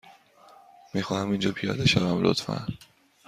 می خواهم اینجا پیاده شوم، لطفا.